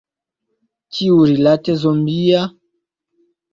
Kiurilate zombia?